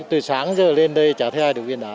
từ sáng giờ lên đây chả thấy ai được viên đá nào